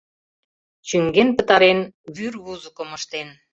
— Чӱҥген пытарен, вӱрвузыкым ыштен.